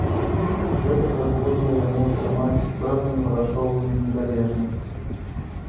Гэта дазволіла яму атрымаць пэўную грашовую незалежнасць.